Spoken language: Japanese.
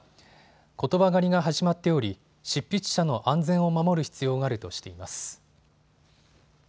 ことば狩りが始まっており執筆者の安全を守る必要があるとしています。